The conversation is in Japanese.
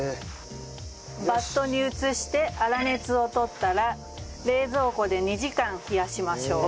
バットに移して粗熱を取ったら冷蔵庫で２時間冷やしましょう。